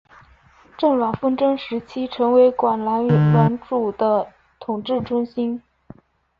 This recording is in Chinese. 郑阮纷争时期成为广南阮主的统治中心。